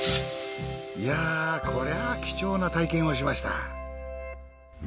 いやこりゃ貴重な体験をしました。